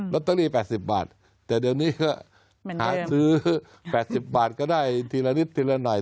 ร็อตเตอรี่แปดสิบบาทแต่เดี๋ยวนี้ก็หาซื้อแปดสิบบาทก็ได้ทีละนิดทีละหน่อย